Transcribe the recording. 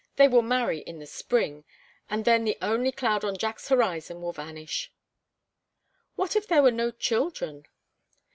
They will marry in the spring, and then the only cloud on Jack's horizon will vanish." "What if there were no children?"